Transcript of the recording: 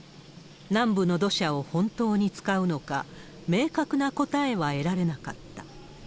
南部の土砂を本当に使うのか、明確な答えは得られなかった。